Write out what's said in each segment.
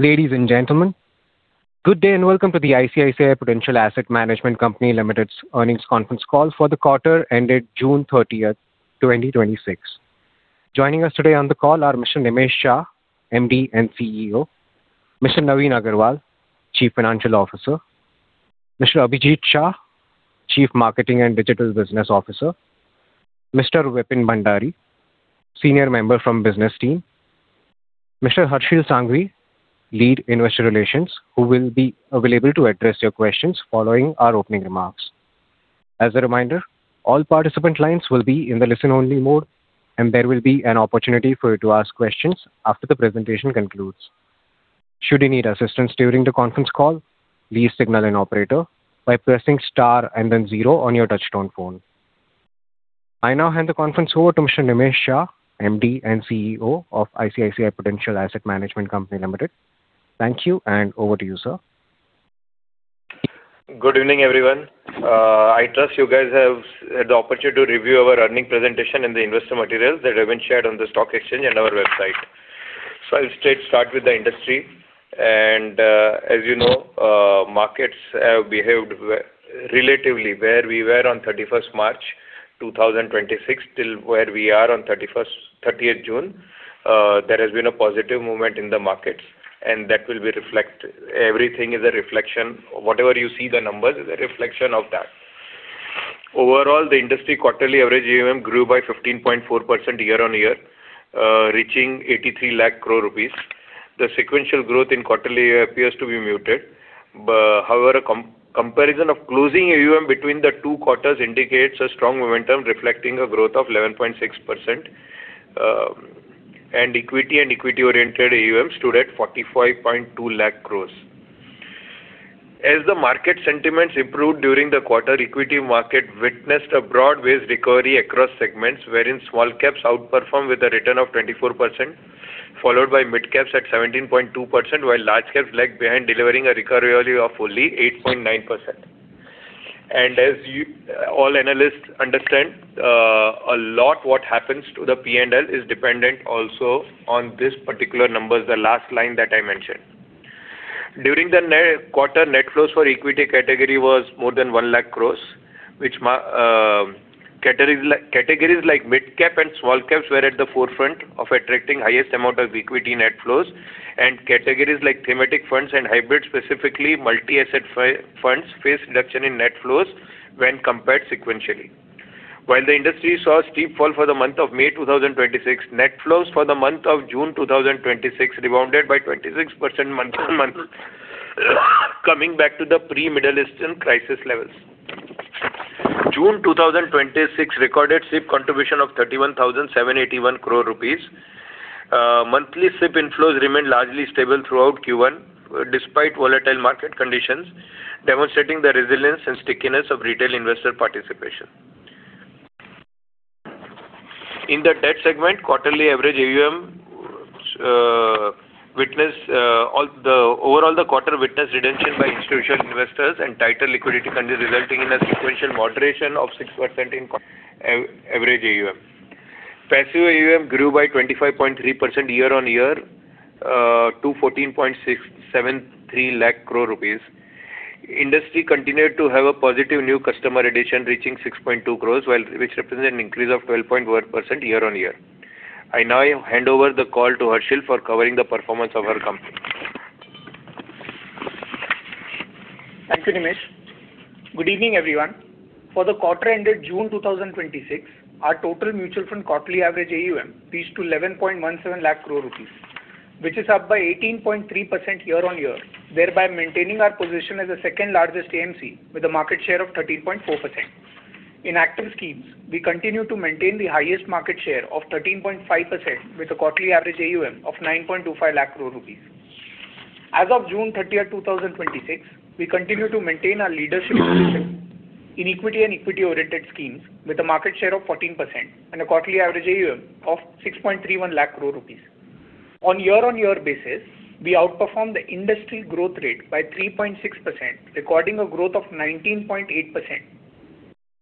Ladies and gentlemen, good day and welcome to the ICICI Prudential Asset Management Company Limited's earnings conference call for the quarter ended June 30th, 2026. Joining us today on the call are Mr. Nimesh Shah, MD and CEO; Mr. Naveen Agarwal, Chief Financial Officer; Mr. Abhijit Shah, Chief Marketing and Digital Business Officer; Mr. Vipin Bhandari, Senior Member from Business Team; Mr. Harshil Sanghavi, Lead Investor Relations, who will be available to address your questions following our opening remarks. As a reminder, all participant lines will be in the listen-only mode. There will be an opportunity for you to ask questions after the presentation concludes. Should you need assistance during the conference call, please signal an operator by pressing star and then zero on your touchtone phone. I now hand the conference over to Mr. Nimesh Shah, MD and CEO of ICICI Prudential Asset Management Company Limited. Thank you. Over to you, sir. Good evening, everyone. I trust you guys have had the opportunity to review our earnings presentation and the investor materials that have been shared on the stock exchange and our website. I'll straight start with the industry. As you know, markets have behaved relatively where we were on March 31st, 2026 till where we are on June 30th. There has been a positive movement in the markets. Everything is a reflection. Whatever you see the numbers is a reflection of that. Overall, the industry quarterly average AUM grew by 15.4% year-on-year, reaching 83 lakh crore rupees. The sequential growth in quarterly appears to be muted. However, comparison of closing AUM between the two quarters indicates a strong momentum reflecting a growth of 11.6%. Equity and equity-oriented AUM stood at 45.2 lakh crore. As the market sentiments improved during the quarter, equity market witnessed a broad-based recovery across segments wherein small caps outperformed with a return of 24%, followed by mid caps at 17.2%, while large caps lagged behind, delivering a recovery of only 8.9%. As all analysts understand, a lot what happens to the P&L is dependent also on this particular numbers, the last line that I mentioned. During the quarter, net flows for equity category was more than 1 lakh crore. Categories like mid cap and small caps were at the forefront of attracting highest amount of equity net flows. Categories like thematic funds and hybrid, specifically multi-asset funds faced reduction in net flows when compared sequentially. While the industry saw a steep fall for the month of May 2026, net flows for the month of June 2026 rebounded by 26% month-on-month, coming back to the pre-Middle Eastern crisis levels. June 2026 recorded SIP contribution of 31,781 crore rupees. Monthly SIP inflows remained largely stable throughout Q1 despite volatile market conditions, demonstrating the resilience and stickiness of retail investor participation. In the debt segment, overall the quarter witnessed redemption by institutional investors and tighter liquidity conditions resulting in a sequential moderation of 6% in average AUM. Passive AUM grew by 25.3% year-on-year to 14.673 lakh crore rupees. Industry continued to have a positive new customer addition, reaching 6.2 crores, which represents an increase of 12.1% year-on-year. I now hand over the call to Harshil for covering the performance of our company. Thank you, Nimesh. Good evening, everyone. For the quarter ended June 2026, our total mutual fund quarterly average AUM reached to INR 11.17 lakh crore, which is up by 18.3% year-on-year, thereby maintaining our position as the second largest AMC with a market share of 13.4%. In active schemes, we continue to maintain the highest market share of 13.5% with a quarterly average AUM of 9.25 lakh crore rupees. As of June 30th, 2026, we continue to maintain our leadership position in equity and equity-oriented schemes with a market share of 14% and a quarterly average AUM of 6.31 lakh crore rupees. On year-on-year basis, we outperformed the industry growth rate by 3.6%, recording a growth of 19.8%.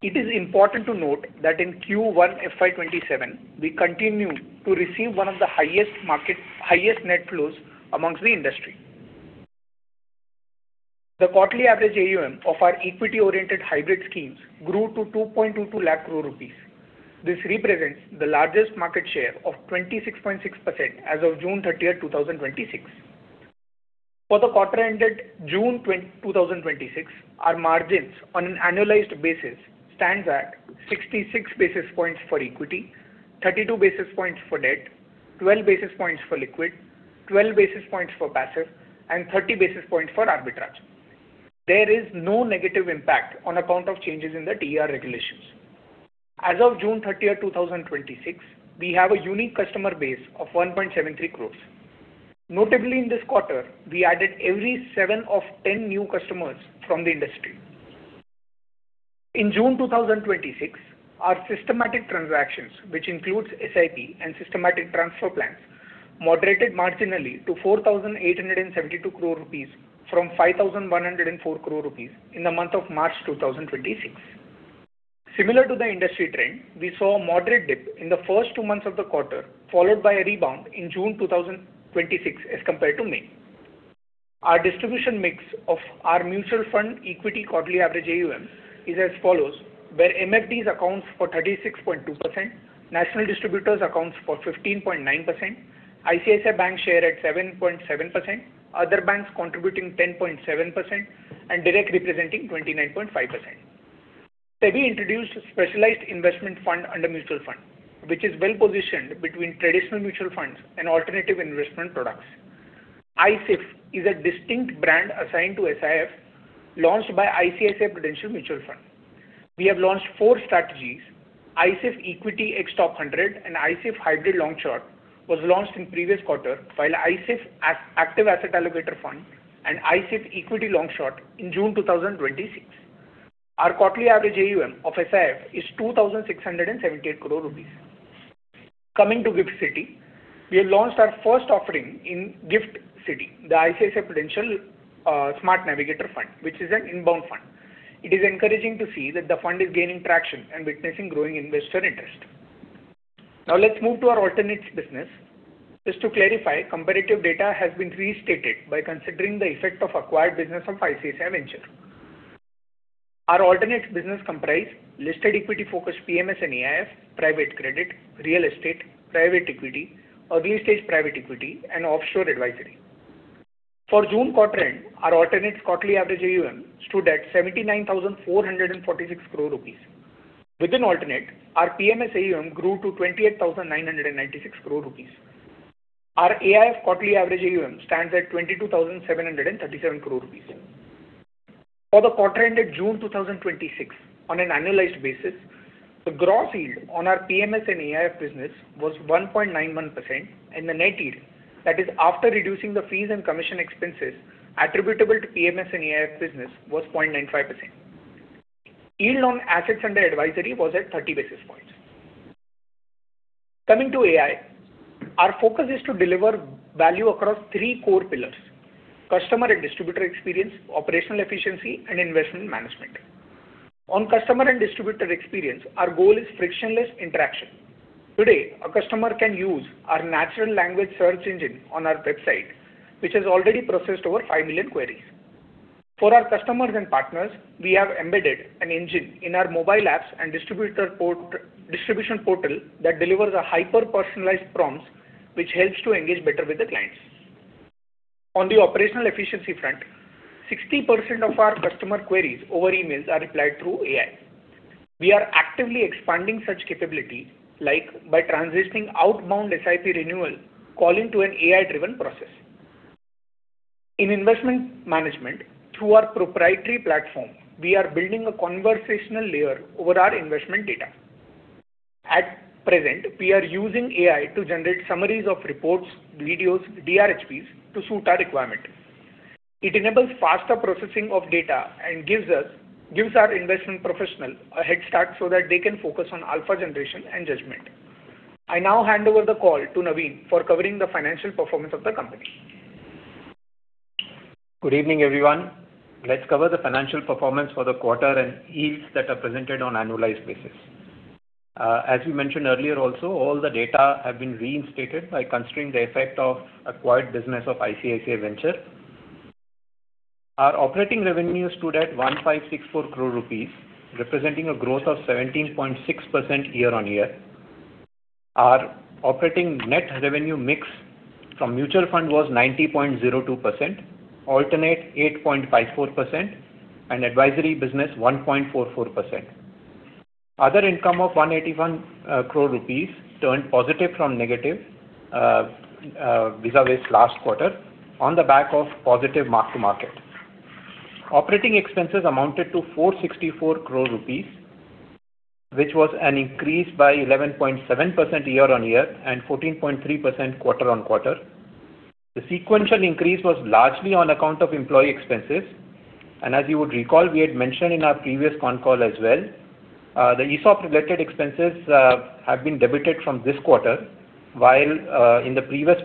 It is important to note that in Q1 FY 2027, we continued to receive one of the highest net flows amongst the industry. The quarterly average AUM of our equity-oriented hybrid schemes grew to 2.22 lakh crore rupees. This represents the largest market share of 26.6% as of June 30th, 2026. For the quarter ended June 30th, 2026, our margins on an annualized basis stands at 66 basis points for equity, 32 basis points for debt, 12 basis points for liquid, 12 basis points for passive, and 30 basis points for arbitrage. There is no negative impact on account of changes in the TER regulations. As of June 30th, 2026, we have a unique customer base of 1.73 crores. Notably, in this quarter, we added every seven of 10 new customers from the industry. In June 2026, our systematic transactions, which includes SIP and systematic transfer plans, moderated marginally to 4,872 crore rupees from 5,104 crore rupees in the month of March 2026. Similar to the industry trend, we saw a moderate dip in the first two months of the quarter, followed by a rebound in June 2026 as compared to May. Our distribution mix of our mutual fund equity quarterly average AUM is as follows: where MFDs accounts for 36.2%, national distributors accounts for 15.9%, ICICI Bank share at 7.7%, other banks contributing 10.7%, and direct representing 29.5%. SEBI introduced Specialized Investment Fund under mutual fund, which is well-positioned between traditional mutual funds and alternative investment products. SIF is a distinct brand assigned to SIF, launched by ICICI Prudential Mutual Fund. We have launched four strategies. iSIF Equity Ex-Top 100 Long-Short Fund and iSIF Hybrid Long Short was launched in previous quarter, while iSIF Active Asset Allocator Long-Short Fund and iSIF Equity Long-Short Fund in June 2026. Our quarterly average AUM of SIF is 2,678 crore rupees. Coming to GIFT City, we have launched our first offering in GIFT City, the ICICI Prudential Smart Navigator Fund, which is an inbound fund. It is encouraging to see that the fund is gaining traction and witnessing growing investor interest. Let's move to our alternates business. Just to clarify, comparative data has been restated by considering the effect of acquired business of ICICI Venture. Our alternates business comprise listed equity focused PMS and AIF, private credit, real estate, private equity, early-stage private equity, and offshore advisory. For June quarter end, our alternates quarterly average AUM stood at 79,446 crore rupees. Within alternate, our PMS AUM grew to 28,996 crore rupees. Our AIF quarterly average AUM stands at 22,737 crore rupees. For the quarter ended June 2026, on an annualized basis, the gross yield on our PMS and AIF business was 1.91% and the net yield, that is after reducing the fees and commission expenses attributable to PMS and AIF business was 0.95%. Yield on assets under advisory was at 30 basis points. Coming to AI, our focus is to deliver value across three core pillars: customer and distributor experience, operational efficiency, and investment management. On customer and distributor experience, our goal is frictionless interaction. Today, a customer can use our natural language search engine on our website, which has already processed over five million queries. For our customers and partners, we have embedded an engine in our mobile apps and distribution portal that delivers hyper-personalized prompts, which helps to engage better with the clients. On the operational efficiency front, 60% of our customer queries over emails are replied through AI. We are actively expanding such capabilities by transitioning outbound SIP renewal calling to an AI-driven process. In investment management, through our proprietary platform, we are building a conversational layer over our investment data. At present, we are using AI to generate summaries of reports, videos, DRHPs to suit our requirement. It enables faster processing of data and gives our investment professional a head start so that they can focus on alpha generation and judgment. I hand over the call to Naveen for covering the financial performance of the company. Good evening, everyone. Let's cover the financial performance for the quarter and yields that are presented on annualized basis. As we mentioned earlier also, all the data have been reinstated by considering the effect of acquired business of ICICI Venture. Our operating revenue stood at 1,564 crore rupees, representing a growth of 17.6% year-on-year. Our operating net revenue mix from mutual fund was 90.02%, alternate 8.54%, and advisory business 1.44%. Other income of 181 crore rupees turned positive from negative vis-à-vis last quarter on the back of positive mark to market. Operating expenses amounted to 464 crore rupees, which was an increase by 11.7% year-on-year and 14.3% quarter-on-quarter. The sequential increase was largely on account of employee expenses. As you would recall, we had mentioned in our previous con call as well, the ESOP-related expenses have been debited from this quarter while in the previous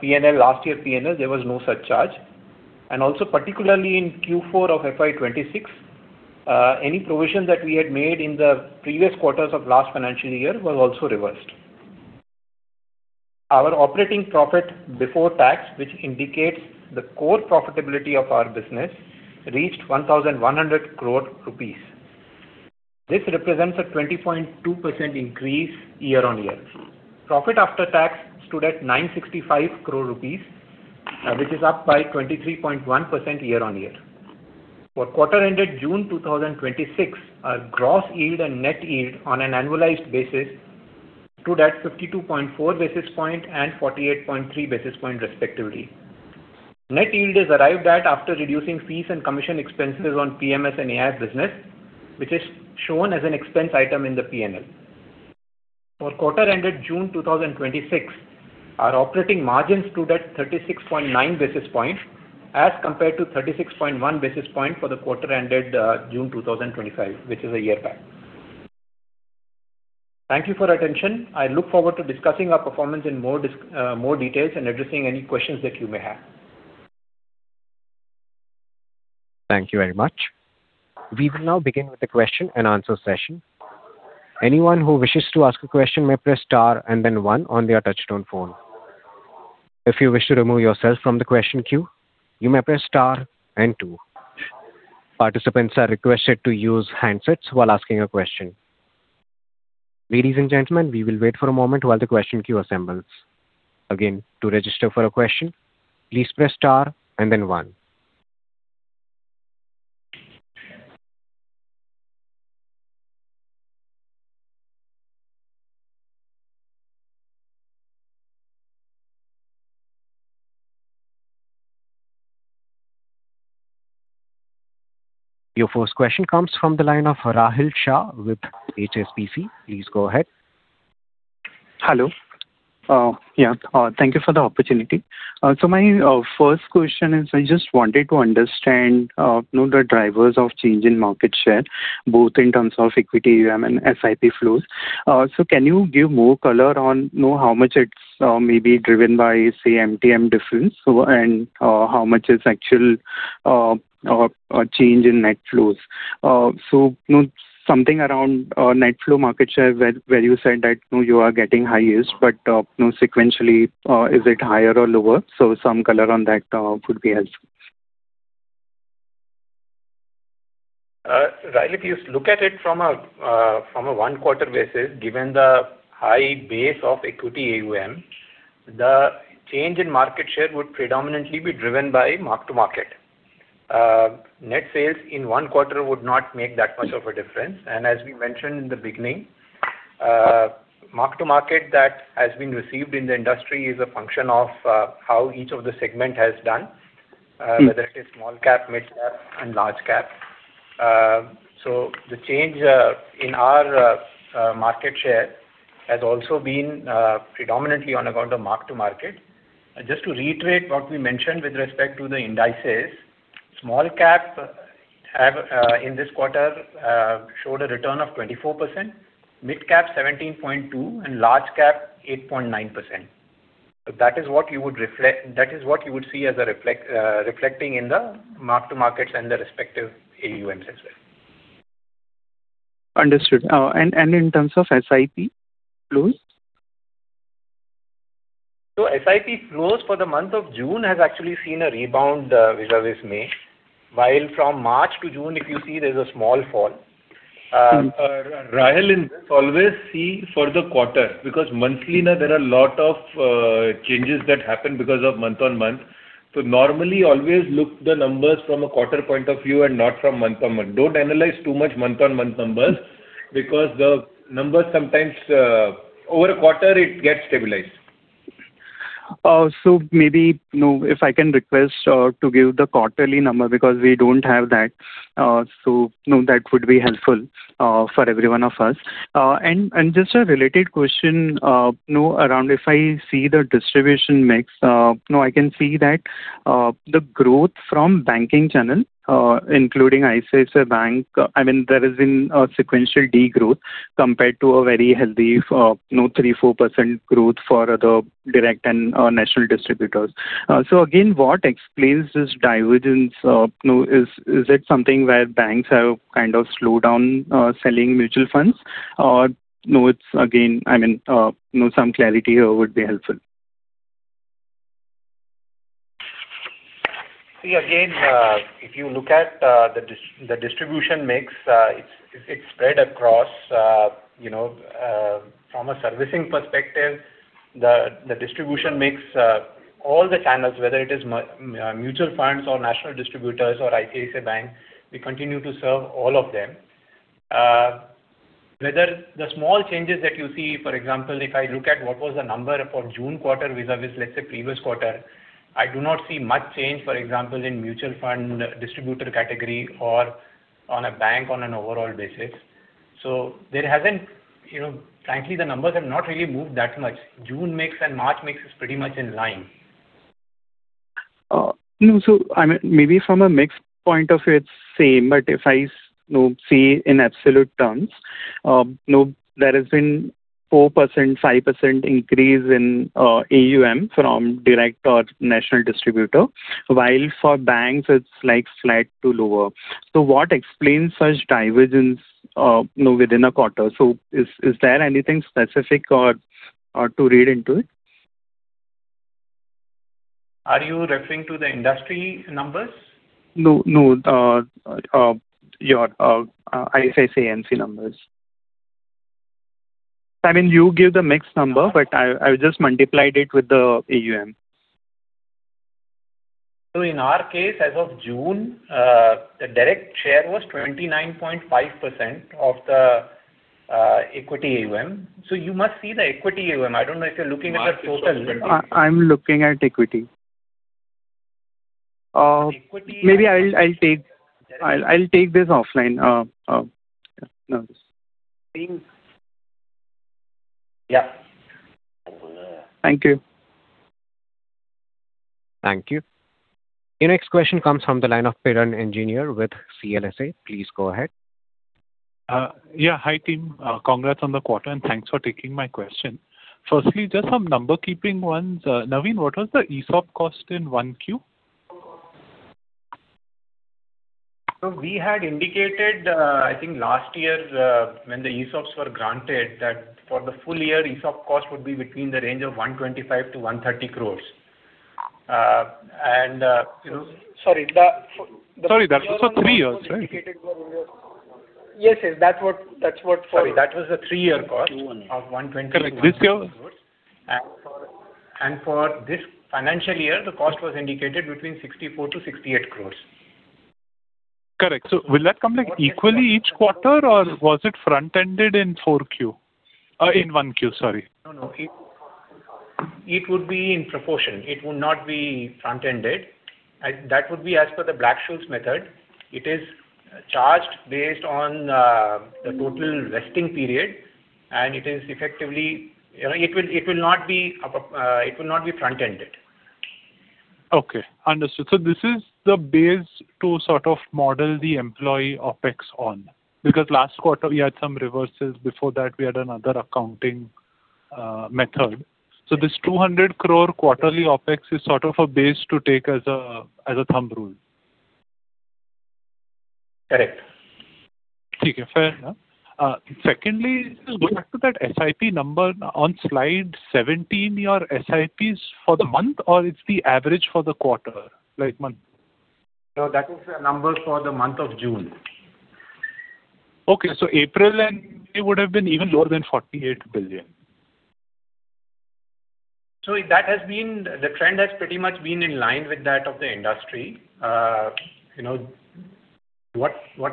P&L, last year P&L, there was no such charge. And also particularly in Q4 of FY 2026, any provision that we had made in the previous quarters of last financial year was also reversed. Our operating profit before tax, which indicates the core profitability of our business, reached 1,100 crore rupees. This represents a 20.2% increase year-on-year. Profit after tax stood at 965 crore rupees, which is up by 23.1% year-on-year. For quarter ended June 2026, our gross yield and net yield on an annualized basis stood at 52.4 basis point and 48.3 basis point respectively. Net yield is arrived at after reducing fees and commission expenses on PMS and AIF business, which is shown as an expense item in the P&L. For quarter ended June 2026, our operating margin stood at 36.9 basis point as compared to 36.1 basis point for the quarter ended June 2025, which is a year back. Thank you for your attention. I look forward to discussing our performance in more details and addressing any questions that you may have. Thank you very much. We will now begin with the question and answer session. Anyone who wishes to ask a question may press star and then one on their touch-tone phone. If you wish to remove yourself from the question queue, you may press star and two. Participants are requested to use handsets while asking a question. Ladies and gentlemen, we will wait for a moment while the question queue assembles. Again, to register for a question, please press star and then one. Your first question comes from the line of Rahil Shah with HSBC. Please go ahead. Hello. Thank you for the opportunity. My first question is, I just wanted to understand the drivers of change in market share, both in terms of equity, AUM and SIP flows. Can you give more color on how much it's maybe driven by, say, MTM difference and how much is actual change in net flows? Something around net flow market share where you said that you are getting high yields but sequentially is it higher or lower? Some color on that could be helpful. Rahil, if you look at it from a one quarter basis, given the high base of equity AUM, the change in market share would predominantly be driven by mark-to-market. Net sales in one quarter would not make that much of a difference. As we mentioned in the beginning, mark-to-market that has been received in the industry is a function of how each of the segment has done. Whether it is small cap, mid cap and large cap. The change in our market share has also been predominantly on account of mark-to-market. Just to reiterate what we mentioned with respect to the indices, small cap in this quarter showed a return of 24%, mid cap 17.2 and large cap 8.9%. That is what you would see reflecting in the mark-to-markets and the respective AUMs as well. Understood. In terms of SIP flows? SIP flows for the month of June has actually seen a rebound vis-a-vis May. While from March to June, if you see there's a small fall. Rahil always see for the quarter because monthly there are a lot of changes that happen because of month-on-month. Normally always look the numbers from a quarter point of view and not from month-on-month. Don't analyze too much month-on-month numbers because the numbers sometimes over a quarter it gets stabilized. Maybe if I can request to give the quarterly number because we don't have that. That would be helpful for every one of us. Just a related question around if I see the distribution mix I can see that the growth from banking channel including ICICI Bank, there has been a sequential degrowth compared to a very healthy 3%, 4% growth for the direct and national distributors. Again, what explains this divergence? Is it something where banks have kind of slowed down selling mutual funds? Some clarity here would be helpful. Again, if you look at the distribution mix it's spread across from a servicing perspective, the distribution mix all the channels whether it is mutual funds or national distributors or ICICI Bank, we continue to serve all of them. The small changes that you see, for example if I look at what was the number for June quarter vis-à-vis let's say previous quarter I do not see much change for example in mutual fund distributor category or on a bank on an overall basis. Frankly the numbers have not really moved that much. June mix and March mix is pretty much in line. Maybe from a mix point of view it's same but if I see in absolute terms there has been 4%, 5% increase in AUM from direct or national distributor while for banks it's like flat to lower. What explains such divergence within a quarter? Is there anything specific to read into it? Are you referring to the industry numbers? No. Your ICICI AMC numbers. You give the mix number but I just multiplied it with the AUM. In our case as of June, the direct share was 29.5% of the equity AUM. You must see the equity AUM. I don't know if you're looking at the total. I'm looking at equity. Maybe I'll take this offline. Yeah. Thank you. Thank you. Your next question comes from the line of Piran Engineer with CLSA. Please go ahead. Yeah. Hi, team. Congrats on the quarter and thanks for taking my question. Firstly, just some number keeping ones. Naveen, what was the ESOP cost in 1Q? We had indicated, I think last year, when the ESOPs were granted, that for the full year, ESOP cost would be between the range of 125 crore to 130 crore. Sorry, that's also three years, right? Yes, that was the three-year cost of 120 crores. Correct. This year? For this financial year, the cost was indicated between 64 crores to 68 crores. Correct. Will that come equally each quarter, or was it front-ended in 4Q? In 1Q, sorry. No, it would be in proportion. It would not be front-ended. That would be as per the Black-Scholes method. It is charged based on the total vesting period, and it will not be front-ended. Okay, understood. This is the base to sort of model the employee OpEx on, because last quarter we had some reverses. Before that, we had another accounting method. This 200 crore quarterly OpEx is sort of a base to take as a thumb rule. Correct. Okay, fair enough. Secondly, going back to that SIP number on slide 17, your SIP is for the month or it's the average for the quarter? No, that is a number for the month of June. Okay. April and May would've been even lower than 48 billion. The trend has pretty much been in line with that of the industry. What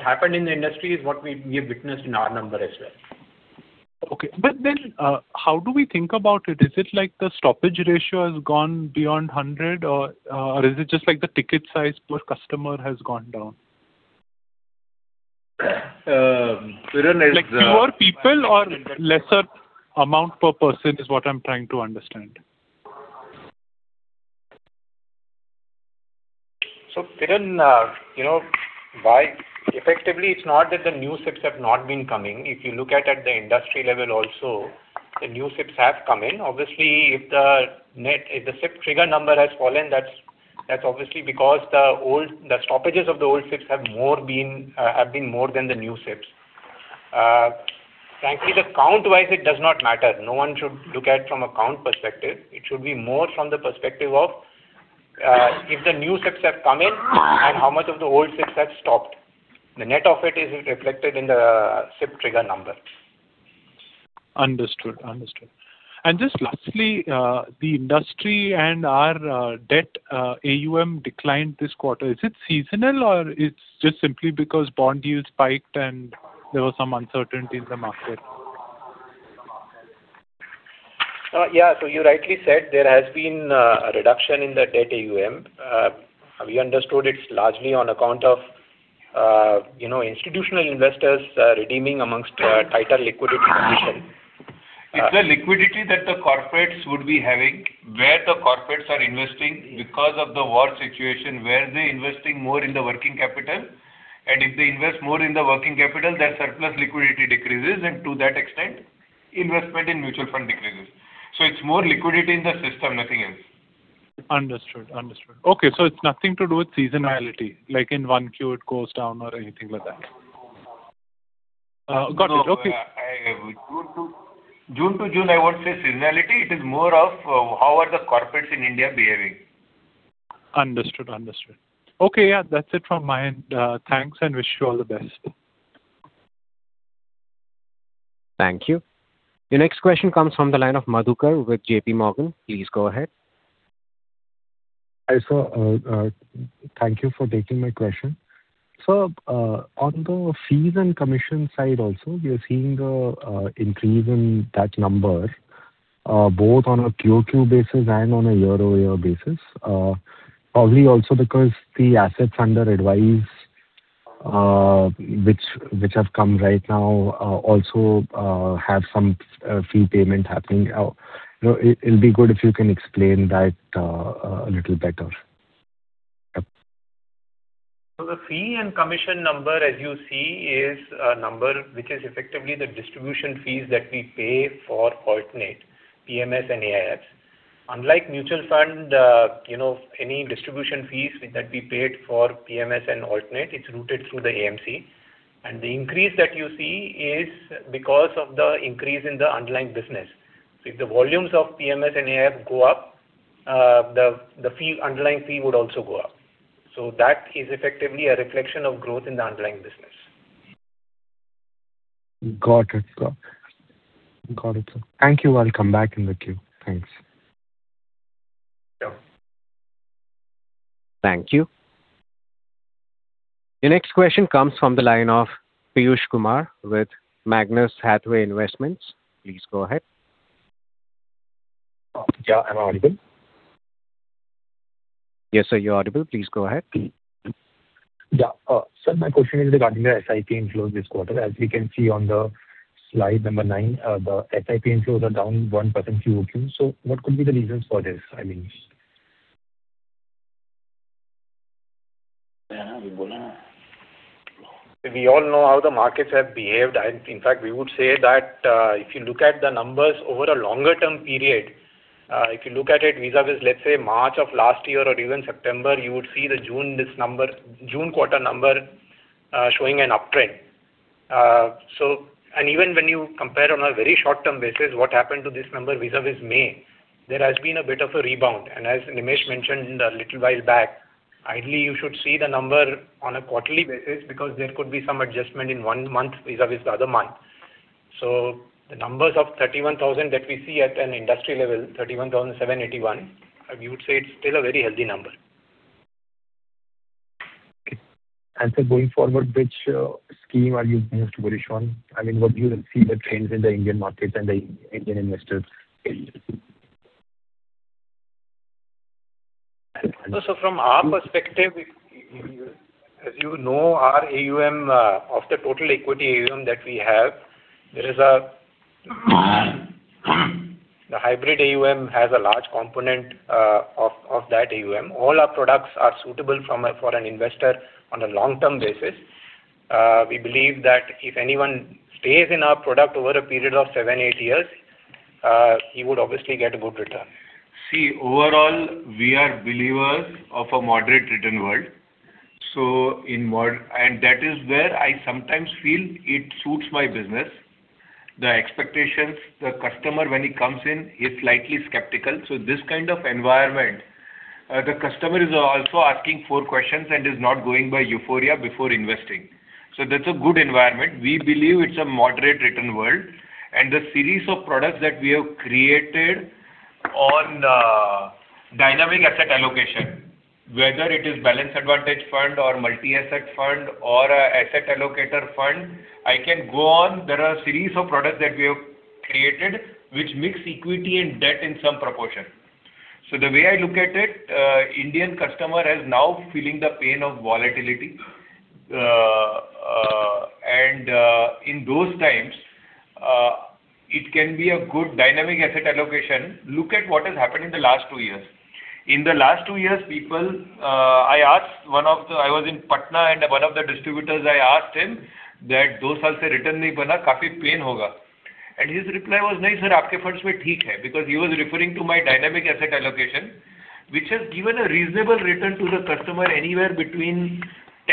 happened in the industry is what we have witnessed in our number as well. Okay. How do we think about it? Is it like the stoppage ratio has gone beyond 100, or is it just like the ticket size per customer has gone down? Piran. Like fewer people or lesser amount per person is what I'm trying to understand. Piran, effectively, it's not that the new SIPs have not been coming. If you look at the industry level also, the new SIPs have come in. Obviously, if the SIP trigger number has fallen, that's obviously because the stoppages of the old SIPs have been more than the new SIPs. Frankly, the count-wise, it does not matter. No one should look at it from a count perspective. It should be more from the perspective of if the new SIPs have come in and how much of the old SIPs have stopped. The net of it is reflected in the SIP trigger number. Understood. Just lastly, the industry and our debt AUM declined this quarter. Is it seasonal or it's just simply because bond yields spiked and there was some uncertainty in the market? Yeah. You rightly said there has been a reduction in the debt AUM. We understood it's largely on account of institutional investors redeeming among tighter liquidity condition. It's the liquidity that the corporates would be having, where the corporates are investing because of the war situation, where they're investing more in the working capital. If they invest more in the working capital, their surplus liquidity decreases, and to that extent, investment in mutual fund decreases. It's more liquidity in the system, nothing else. Understood. Okay, it's nothing to do with seasonality. Like in 1Q, it goes down or anything like that. Got it. Okay. June to June, I won't say seasonality. It is more of how are the corporates in India behaving. Understood. Okay. Yeah, that's it from my end. Thanks and wish you all the best. Thank you. Your next question comes from the line of Madhukar with JPMorgan. Please go ahead. Hi, sir. Thank you for taking my question. On the fees and commission side also, we are seeing the increase in that number, both on a QOQ basis and on a year-over-year basis. Probably also because the assets under advice which have come right now also have some fee payment happening. It'll be good if you can explain that a little better. The fee and commission number, as you see, is a number which is effectively the distribution fees that we pay for alternate PMS and AIFs. Unlike mutual fund, any distribution fees that we paid for PMS and alternate, it's rooted through the AMC. The increase that you see is because of the increase in the underlying business. If the volumes of PMS and AIF go up, the underlying fee would also go up. That is effectively a reflection of growth in the underlying business. Got it. Thank you. I'll come back in the queue. Thanks. Sure. Thank you. The next question comes from the line of Piyush Kumar with Magnus Hathaway Investments. Please go ahead. Yeah. Am I audible? Yes, sir, you're audible. Please go ahead. Yeah. Sir, my question is regarding the SIP inflows this quarter. As we can see on slide number nine, the SIP inflows are down 1% QOQ. What could be the reasons for this? I mean. We all know how the markets have behaved. In fact, we would say that if you look at the numbers over a longer-term period, if you look at it vis-a-vis, let's say March of last year or even September, you would see the June quarter number showing an uptrend. Even when you compare on a very short-term basis what happened to this number vis-a-vis May, there has been a bit of a rebound. As Nimesh mentioned a little while back, ideally you should see the number on a quarterly basis because there could be some adjustment in one month vis-a-vis the other month. The numbers of 31,000 that we see at an industry level, 31,781, we would say it's still a very healthy number. Okay. Sir, going forward, which scheme are you most bullish on? What do you see the trends in the Indian market and the Indian investors behavior? From our perspective, as you know, our AUM of the total equity AUM that we have, the hybrid AUM has a large component of that AUM. All our products are suitable for an investor on a long-term basis. We believe that if anyone stays in our product over a period of seven, eight years, he would obviously get a good return. See, overall, we are believers of a moderate return world. That is where I sometimes feel it suits my business. The expectations, the customer when he comes in, he's slightly skeptical. This kind of environment, the customer is also asking four questions and is not going by euphoria before investing. That's a good environment. We believe it's a moderate return world, and the series of products that we have created on dynamic asset allocation, whether it is Balanced Advantage Fund or multi-asset fund or asset allocator fund, I can go on. There are a series of products that we have created which mix equity and debt in some proportion. The way I look at it, Indian customer is now feeling the pain of volatility. In those times, it can be a good dynamic asset allocation. Look at what has happened in the last two years. In the last two years, I was in Patna and one of the distributors, I asked him that, "Two years there has been no return. There must be a lot of pain." His reply was, "No, sir, it is okay in your funds." Because he was referring to my dynamic asset allocation, which has given a reasonable return to the customer anywhere between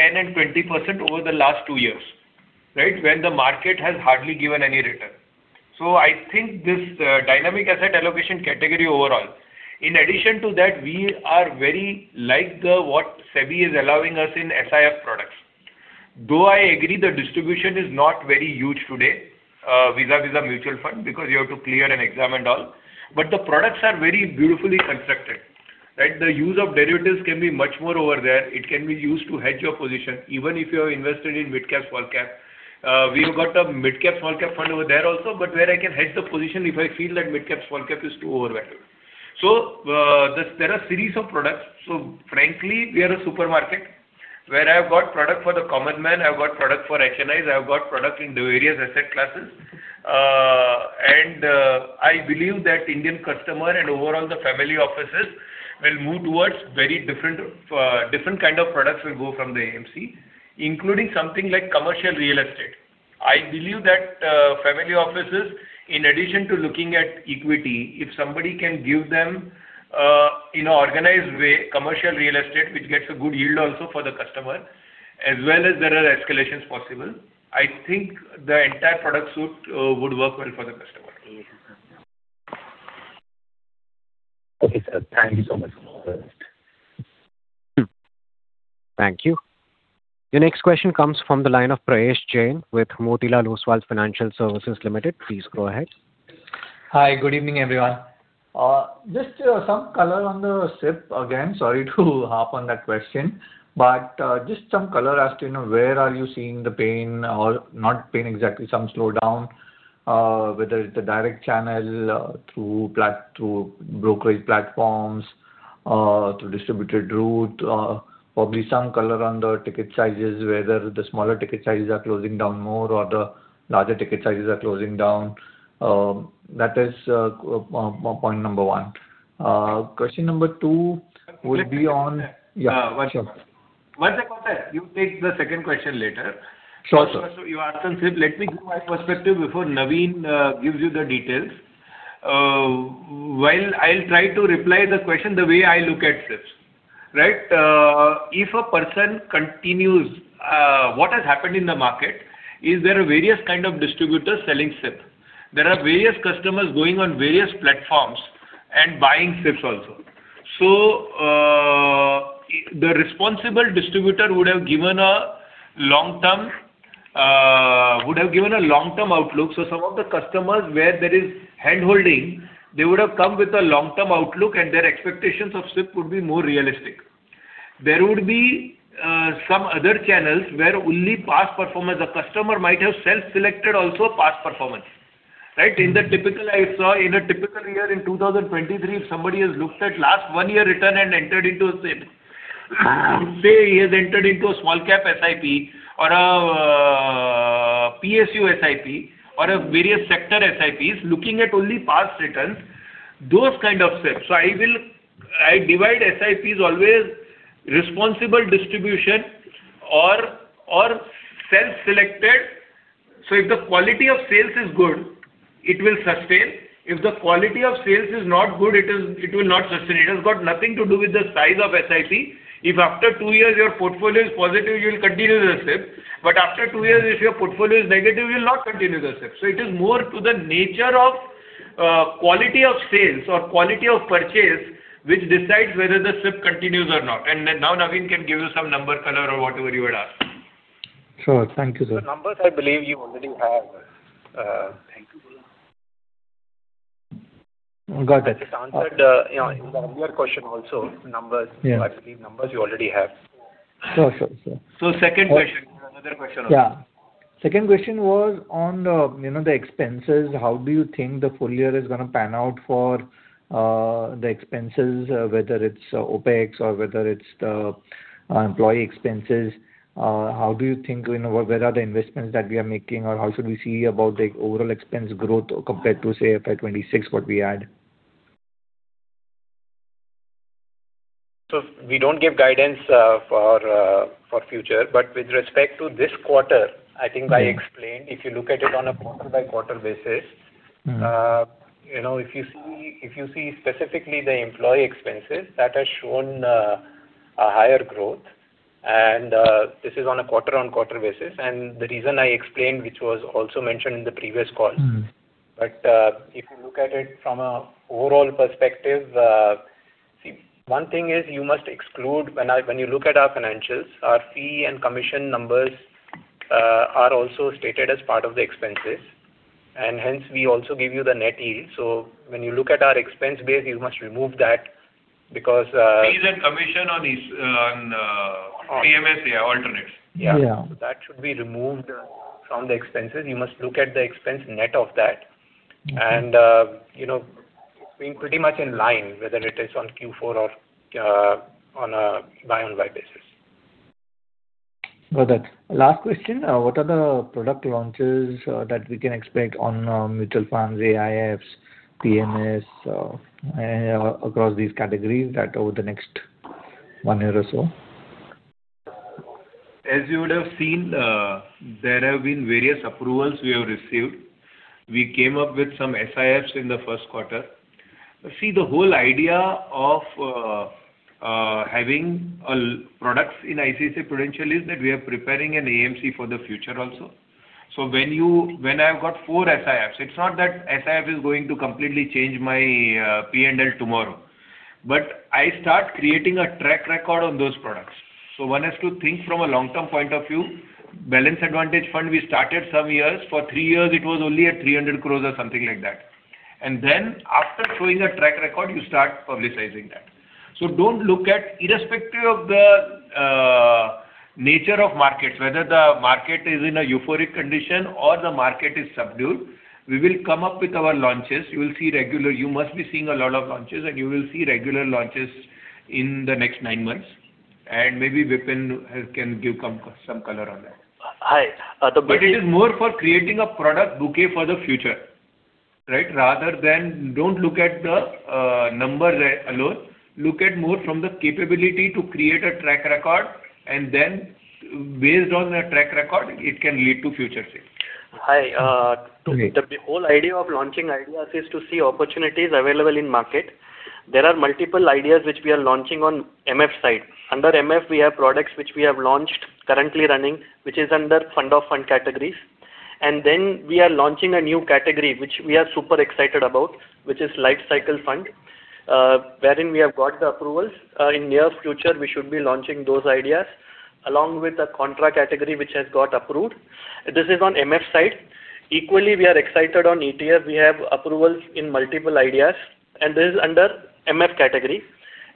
10%-20% over the last two years. When the market has hardly given any return. I think this dynamic asset allocation category overall. In addition to that, we are very like what SEBI is allowing us in SIF products. Though I agree the distribution is not very huge today vis-a-vis a mutual fund because you have to clear an exam and all, but the products are very beautifully constructed. The use of derivatives can be much more over there. It can be used to hedge your position, even if you are invested in midcap, small cap. We have got a midcap, small cap fund over there also, but where I can hedge the position if I feel that midcap, small cap is too overvalued. There are a series of products. Frankly, we are a supermarket where I've got product for the common man, I've got product for HNIs, I've got product in the various asset classes. I believe that Indian customer and overall the family offices will move towards very different kind of products will go from the AMC, including something like commercial real estate. I believe that family offices, in addition to looking at equity, if somebody can give them in an organized way, commercial real estate, which gets a good yield also for the customer, as well as there are escalations possible. I think the entire product suite would work well for the customer. Okay, sir. Thank you so much. Thank you. Your next question comes from the line of Prayesh Jain with Motilal Oswal Financial Services Limited. Please go ahead. Hi. Good evening, everyone. Just some color on the SIP again. Sorry to harp on that question, but just some color as to where are you seeing the pain or not pain exactly, some slowdown, whether it's the direct channel through brokerage platforms, through distributed route. Probably some color on the ticket sizes, whether the smaller ticket sizes are closing down more or the larger ticket sizes are closing down. That is point number one. Question number two will be on. One second, sir. You take the second question later. Sure, sir. You asked on SIP. Let me give my perspective before Naveen gives you the details. I'll try to reply the question the way I look at SIPs. If a person continues-- what has happened in the market is there are various kind of distributors selling SIP. There are various customers going on various platforms and buying SIPs also. The responsible distributor would have given a long-term outlook. Some of the customers where there is handholding, they would have come with a long-term outlook and their expectations of SIP would be more realistic. There would be some other channels where only past performance, the customer might have self-selected also past performance. I saw in a typical year in 2023, if somebody has looked at last one year return and entered into a SIP. Say he has entered into a small cap SIP or a PSU SIP or various sector SIPs looking at only past returns, those kind of SIPs. I divide SIPs always responsible distribution or self-selected. If the quality of sales is good, it will sustain. If the quality of sales is not good, it will not sustain. It has got nothing to do with the size of SIP. If after two years your portfolio is positive, you'll continue the SIP. After two years, if your portfolio is negative, you'll not continue the SIP. It is more to the nature of quality of sales or quality of purchase, which decides whether the SIP continues or not. Now Naveen can give you some number color or whatever you would ask. Sure. Thank you, sir. The numbers I believe you already have. Thank you. Got it. It answered in the earlier question also, numbers. Yes. I believe numbers you already have. Sure. Second question. You have another question also. Second question was on the expenses. How do you think the full year is going to pan out for the expenses, whether it's OpEx or whether it's the employee expenses? How do you think, where are the investments that we are making? How should we see about the overall expense growth compared to, say, FY 2026, what we had? We don't give guidance for future, but with respect to this quarter, I think I explained, if you look at it on a quarter-by-quarter basis. If you see specifically the employee expenses, that has shown a higher growth and this is on a quarter-on-quarter basis. The reason I explained, which was also mentioned in the previous call. If you look at it from an overall perspective, see, one thing is you must exclude when you look at our financials, our fee and commission numbers are also stated as part of the expenses, and hence we also give you the net yield. When you look at our expense base, you must remove that. Fee and commission on PMS alternates. Yeah. That should be removed from the expenses. You must look at the expense net of that. Being pretty much in line, whether it is on Q4 or on a Y on Y basis. Got that. Last question. What are the product launches that we can expect on mutual funds, AIFs, PMS, across these categories over the next one year or so? As you would have seen, there have been various approvals we have received. We came up with some SIFs in the first quarter. See, the whole idea of having products in ICICI Prudential is that we are preparing an AMC for the future also. When I've got four SIFs, it's not that SIF is going to completely change my P&L tomorrow, but I start creating a track record on those products. One has to think from a long-term point of view. Balanced Advantage Fund, we started some years. For three years it was only at 300 crores or something like that. Then after showing a track record, you start publicizing that. Irrespective of the nature of markets, whether the market is in a euphoric condition or the market is subdued, we will come up with our launches. You must be seeing a lot of launches, and you will see regular launches in the next nine months, and maybe Vipin can give some color on that. Hi. It is more for creating a product bouquet for the future. Don't look at the numbers alone. Look at more from the capability to create a track record, and then based on a track record, it can lead to future sales. Hi. The whole idea of launching ideas is to see opportunities available in market. There are multiple ideas which we are launching on MF side. Under MF, we have products which we have launched, currently running, which is under fund of fund categories. We are launching a new category, which we are super excited about, which is life cycle fund, wherein we have got the approvals. In near future, we should be launching those ideas along with the contra category, which has got approved. This is on MF side. Equally, we are excited on ETF. We have approvals in multiple ideas, and this is under MF category.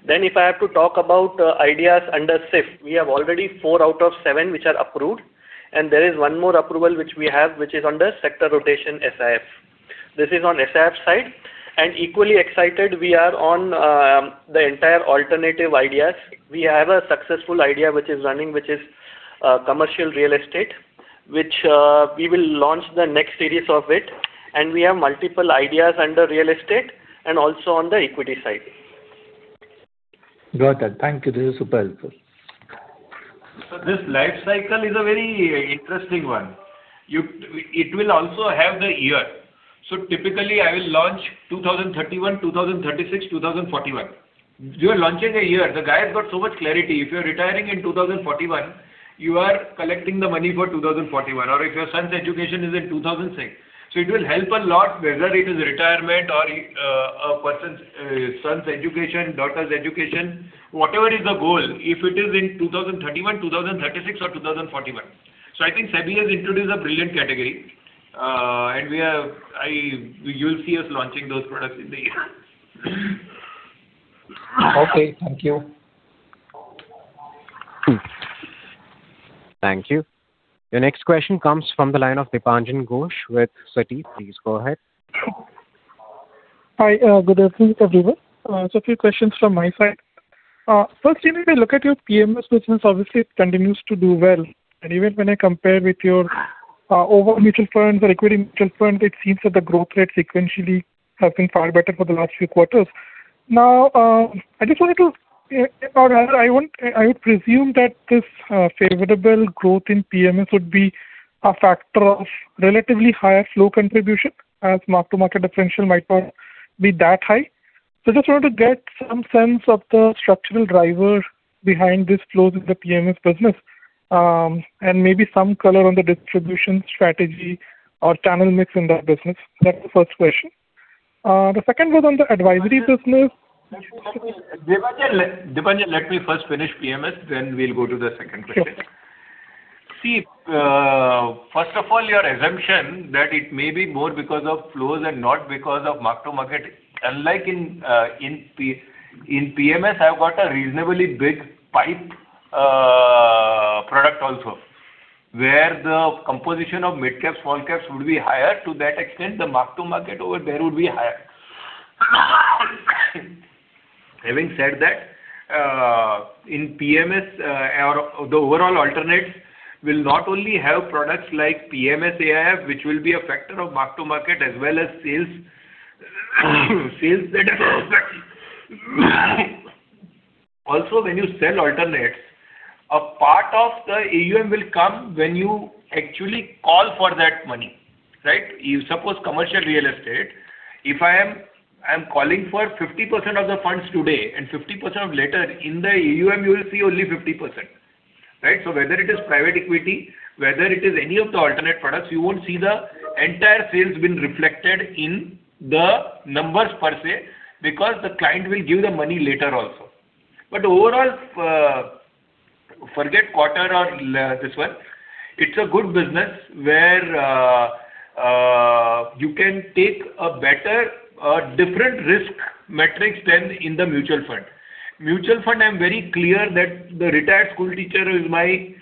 If I have to talk about ideas under SIF, we have already four out of seven which are approved. There is one more approval which we have, which is under sector rotation SIF. This is on SIF side. Equally excited we are on the entire alternative ideas. We have a successful idea which is running, which is commercial real estate, which we will launch the next series of it, and we have multiple ideas under real estate and also on the equity side. Got that. Thank you. This is super helpful. This life cycle is a very interesting one. It will also have the year. Typically I will launch 2031, 2036, 2041. You're launching a year. The guy has got so much clarity. If you're retiring in 2041, you are collecting the money for 2041, or if your son's education is in 2036. It will help a lot whether it is retirement or a person's son's education, daughter's education, whatever is the goal, if it is in 2031, 2036 or 2041. I think SEBI has introduced a brilliant category. You'll see us launching those products in the year. Okay. Thank you. Thank you. The next question comes from the line of Dipanjan Ghosh with Citi. Please go ahead. Hi, good afternoon, everyone. A few questions from my side. First, when we look at your PMS business, obviously, it continues to do well. Even when I compare with your overall mutual funds or equity mutual funds, it seems that the growth rate sequentially has been far better for the last few quarters. I would presume that this favorable growth in PMS would be a factor of relatively higher flow contribution as mark-to-market differential might not be that high. I just wanted to get some sense of the structural driver behind these flows in the PMS business, and maybe some color on the distribution strategy or channel mix in that business. That's the first question. The second was on the advisory business. Dipanjan, let me first finish PMS, we'll go to the second question. Sure. First of all, your assumption that it may be more because of flows and not because of mark-to-market. Unlike in PMS, I've got a reasonably big pipe product also, where the composition of mid-caps, small-caps would be higher. To that extent, the mark-to-market over there would be higher. Having said that, in PMS, the overall alternates will not only have products like PMS AIF, which will be a factor of mark-to-market as well as sales. Also, when you sell alternates, a part of the AUM will come when you actually call for that money. Right? Suppose commercial real estate, if I am calling for 50% of the funds today and 50% later, in the AUM, you will see only 50%. Right? Whether it is private equity, whether it is any of the alternate products, you won't see the entire sales being reflected in the numbers per se, because the client will give the money later also. Overall, forget quarter or this one, it's a good business where you can take a better, different risk metrics than in the mutual fund. Mutual fund, I'm very clear that the retired school teacher is my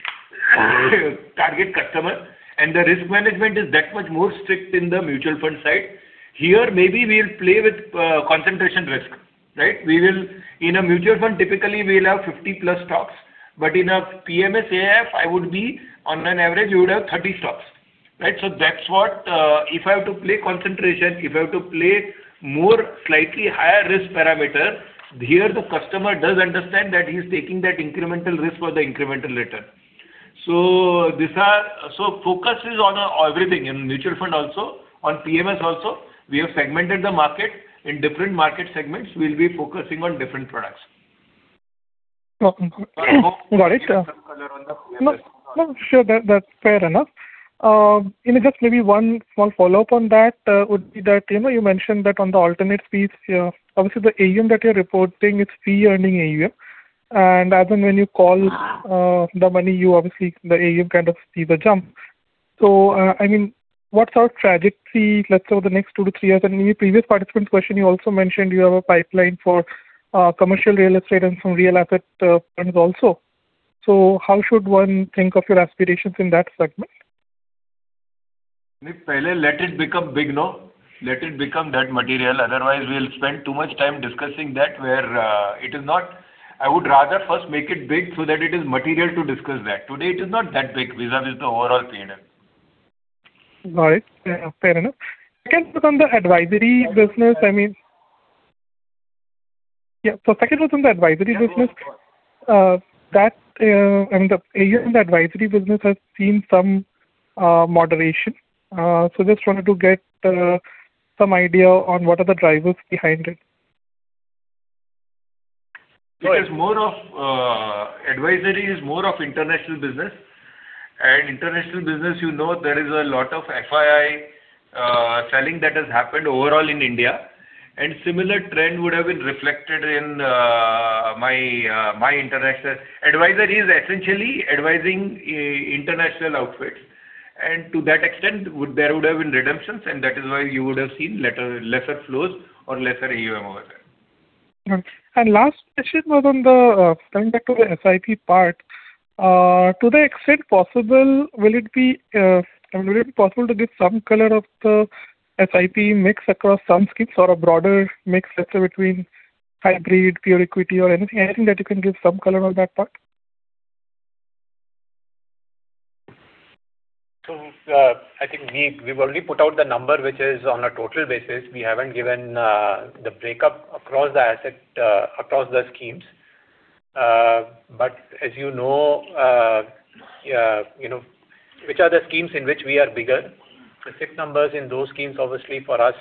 target customer, and the risk management is that much more strict in the mutual fund side. Here, maybe we'll play with concentration risk. Right? In a mutual fund, typically, we'll have 50-plus stocks. In a PMS AIF, on an average, you would have 30 stocks. Right? That's what, if I have to play concentration, if I have to play more slightly higher risk parameter, here, the customer does understand that he's taking that incremental risk for the incremental return. Focus is on everything. In mutual fund also, on PMS also, we have segmented the market. In different market segments, we'll be focusing on different products. Got it. I hope that gives some color on the PMS. Sure. That's fair enough. Just maybe one small follow-up on that would be that, you mentioned that on the alternate piece, obviously, the AUM that you're reporting, it's fee-earning AUM. As and when you call the money, obviously, the AUM kind of see the jump. What's our trajectory, let's say, over the next two to three years? In a previous participant question, you also mentioned you have a pipeline for commercial real estate and some real asset funds also. How should one think of your aspirations in that segment? Let it become big. Let it become that material. Otherwise, we will spend too much time discussing that where it is not. I would rather first make it big so that it is material to discuss that. Today it is not that big vis-à-vis the overall AUM. Got it. Fair enough. Second was on the advisory business. The AUM in the advisory business has seen some moderation. Just wanted to get some idea on what are the drivers behind it. Advisory is more of international business. International business, you know there is a lot of FII selling that has happened overall in India, and similar trend would have been reflected in my interaction. Advisory is essentially advising international outfits. To that extent, there would have been redemptions, and that is why you would have seen lesser flows or lesser AUM over there. Last question was on the, coming back to the SIP part. To the extent possible, will it be possible to give some color of the SIP mix across some schemes or a broader mix, let's say, between hybrid, pure equity or anything that you can give some color on that part? I think we've only put out the number, which is on a total basis. We haven't given the breakup across the schemes. As you know which are the schemes in which we are bigger, the SIP numbers in those schemes, obviously, for us,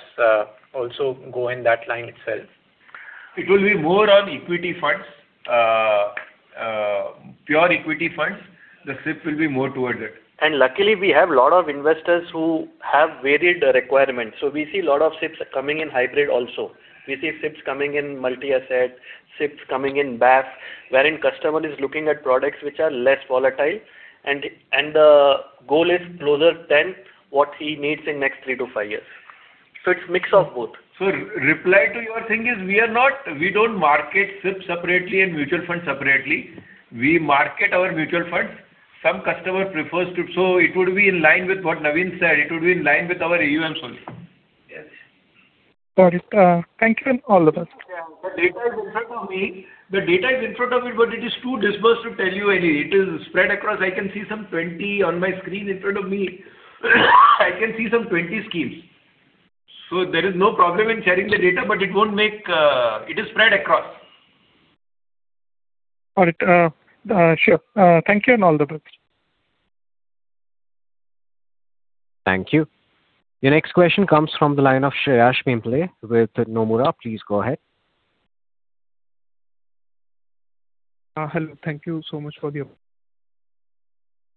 also go in that line itself. It will be more on equity funds. Pure equity funds, the SIP will be more towards it. Luckily, we have a lot of investors who have varied requirements. We see a lot of SIPs coming in hybrid also. We see SIPs coming in multi-asset, SIPs coming in BAF, wherein customer is looking at products which are less volatile, and the goal is closer than what he needs in next three to five years. It's mix of both. Reply to your thing is, we don't market SIP separately and mutual funds separately. We market our mutual funds. Some customer prefers to. It would be in line with what Naveen said, it would be in line with our AUM story. Got it. Thank you, and all the best. The data is in front of me, but it is too dispersed to tell you any. It is spread across. I can see some 20 on my screen in front of me. I can see some 20 schemes. There is no problem in sharing the data, but it is spread across. Got it. Sure. Thank you and all the best. Thank you. Your next question comes from the line of Shreyas Pimple with Nomura. Please go ahead. Hello. Thank you so much for the opportunity.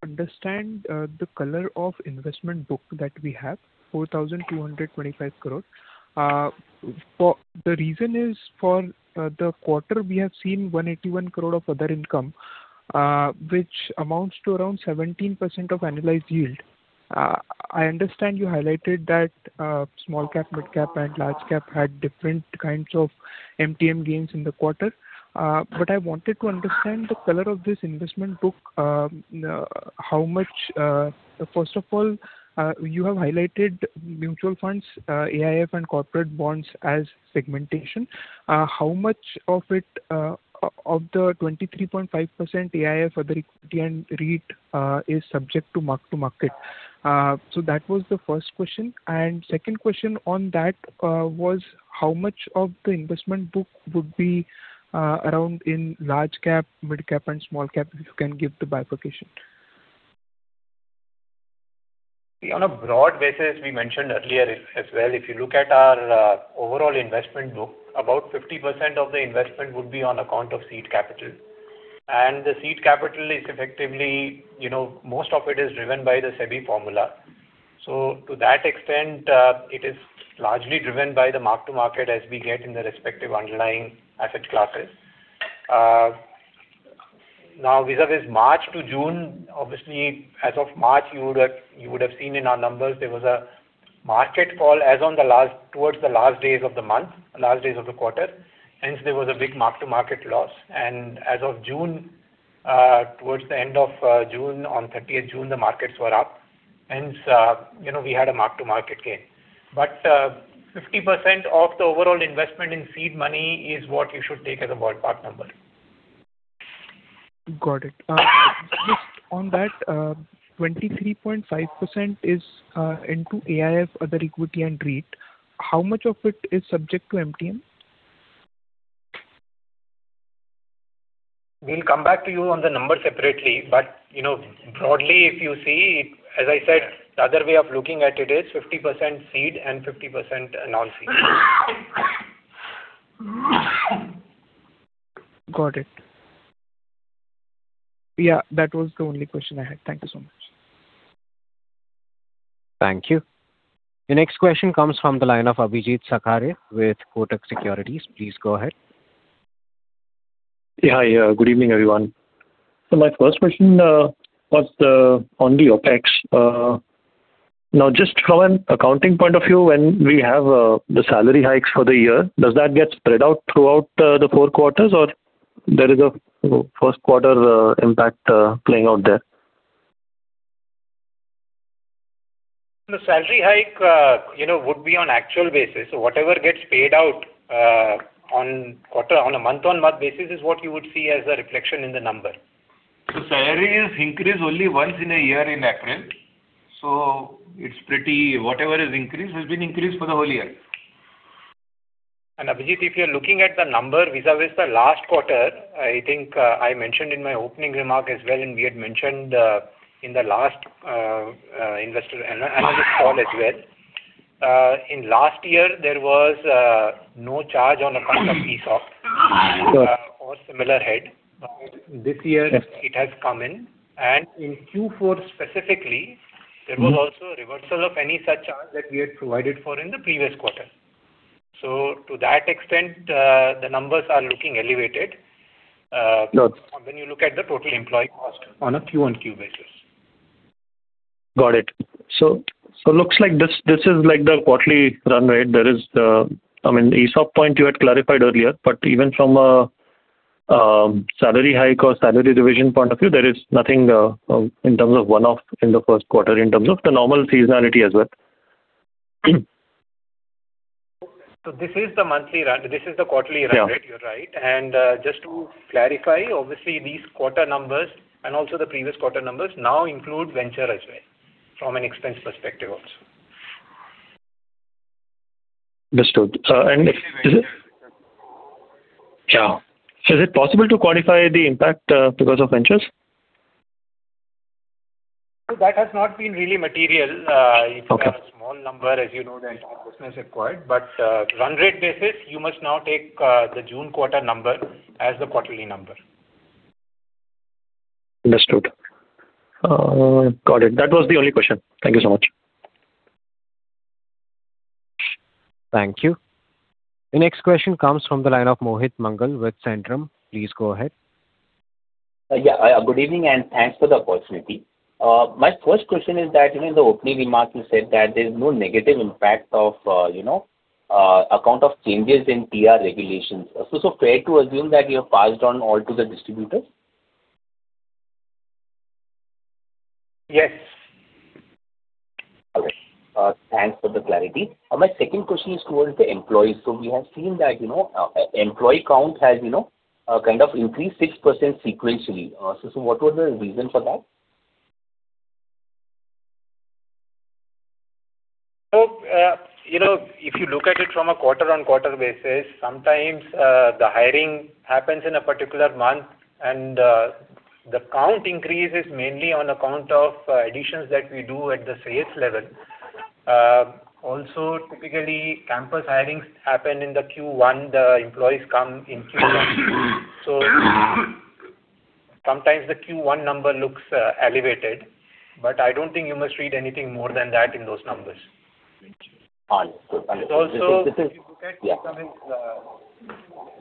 Understand the color of investment book that we have, 4,225 crore. The reason is for the quarter, we have seen 181 crore of other income, which amounts to around 17% of annualized yield. I understand you highlighted that small cap, mid cap, and large cap had different kinds of MTM gains in the quarter. What I wanted to understand the color of this investment book. First of all, you have highlighted mutual funds, AIF, and corporate bonds as segmentation. How much of the 23.5% AIF, other equity and REIT is subject to mark to market? That was the first question. Second question on that was how much of the investment book would be around in large cap, mid cap, and small cap, if you can give the bifurcation. On a broad basis, we mentioned earlier as well, if you look at our overall investment book, about 50% of the investment would be on account of seed capital. The seed capital is effectively, most of it is driven by the SEBI formula. To that extent, it is largely driven by the mark to market as we get in the respective underlying asset classes. Now vizavi is March to June. Obviously, as of March, you would have seen in our numbers there was a market fall as on towards the last days of the month, last days of the quarter, hence there was a big mark to market loss. As of June, towards the end of June, on 30th June, the markets were up. Hence, we had a mark to market gain. 50% of the overall investment in seed money is what you should take as a ballpark number. Got it. Just on that, 23.5% is into AIF, other equity and REIT. How much of it is subject to MTM? We'll come back to you on the number separately, but broadly, if you see, as I said, the other way of looking at it is 50% seed and 50% non-seed. Got it. Yeah, that was the only question I had. Thank you so much. Thank you. Your next question comes from the line of Abhijeet Sakhare with Kotak Securities. Please go ahead. Hi. Good evening, everyone. My first question was on the OPEX. Now, just from an accounting point of view, when we have the salary hikes for the year, does that get spread out throughout the four quarters, or there is a first quarter impact playing out there? The salary hike would be on actual basis. Whatever gets paid out on a month-on-month basis is what you would see as a reflection in the number. The salary is increased only once in a year in April. Whatever is increased has been increased for the whole year. Abhijeet, if you're looking at the number vis-à-vis the last quarter, I think I mentioned in my opening remark as well, and we had mentioned in the last analyst call as well. Last year, there was no charge on account of ESOP or similar head. This year it has come in, and in Q4 specifically, there was also a reversal of any such charge that we had provided for in the previous quarter. To that extent, the numbers are looking elevated. When you look at the total employee cost on a Q1Q basis. Got it. Looks like this is like the quarterly run rate. I mean, the ESOP point you had clarified earlier, even from a salary hike or salary revision point of view, there is nothing in terms of one-off in the first quarter in terms of the normal seasonality as well. This is the quarterly run rate. You're right. Just to clarify, obviously these quarter numbers and also the previous quarter numbers now include Venture as well from an expense perspective also. Understood. Is it possible to quantify the impact because of Ventures? That has not been really material. Okay. It's a small number, as you know, the entire business acquired, but run rate basis, you must now take the June quarter number as the quarterly number. Understood. Got it. That was the only question. Thank you so much. Thank you. The next question comes from the line of Mohit Mangal with Centrum. Please go ahead. Good evening, and thanks for the opportunity. My first question is that, in the opening remarks, you said that there's no negative impact on account of changes in TER regulations. Fair to assume that you have passed on all to the distributors? Yes. Okay. Thanks for the clarity. My second question is towards the employees. We have seen that employee count has increased 6% sequentially. What was the reason for that? If you look at it from a quarter-on-quarter basis, sometimes the hiring happens in a particular month and the count increases mainly on account of additions that we do at the sales level. Typically, campus hirings happen in the Q1, the employees come in Q1. Sometimes the Q1 number looks elevated, but I don't think you must read anything more than that in those numbers. Understood.